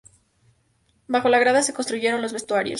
Bajo la grada se construyeron los vestuarios.